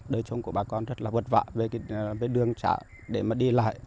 đời chung của bà con rất là vật vạ với đường trả để mà đi lại